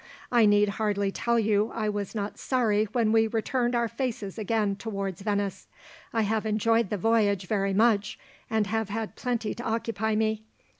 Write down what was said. I need hardly tell you I was not sorry when we turned our faces again towards Venice. I have enjoyed the voyage very much, and have had plenty to occupy me.